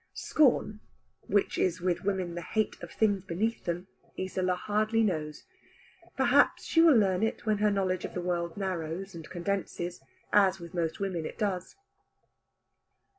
Scorn, which is with women the hate of things beneath them, Isola hardly knows. Perhaps she will learn it when her knowledge of the world narrows and condenses, as with most women it does.